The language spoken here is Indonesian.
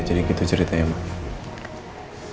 ya jadi gitu ceritanya pak